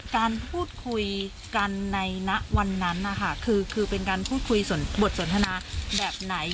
การพูดคุยกันในวันนั้นนะคะคือเป็นการพูดคุยบทสนทนาแบบไหน